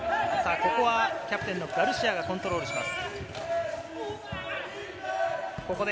ここはキャプテンのガルシアがコントロールします。